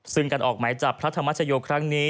ซึ่งการออกหมายจับพระธรรมชโยคครั้งนี้